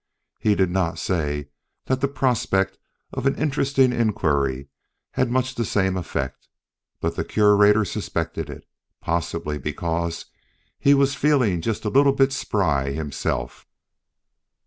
He did not say that the prospect of an interesting inquiry had much the same effect, but the Curator suspected it, possibly because he was feeling just a little bit spry himself.